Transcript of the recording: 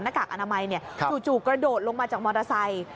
กากอนามัยจู่กระโดดลงมาจากมอเตอร์ไซค์